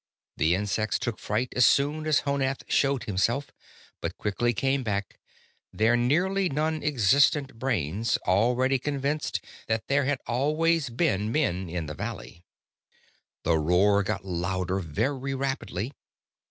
The insects took fright as soon as Honath showed himself, but quickly came back, their nearly non existent brains already convinced that there had always been men in the valley. The roar got louder very rapidly.